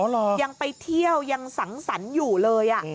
ยังไปเที่ยวยังสังสรรค์อยู่เลย